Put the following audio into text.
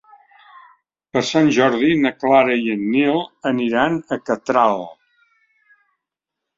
Per Sant Jordi na Clara i en Nil aniran a Catral.